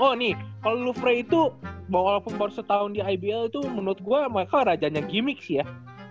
oh nih kalo lofre itu bawa alfomore setahun di ibl itu menurut gua mereka rajanya gimmick sih ya